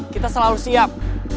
kita selalu siap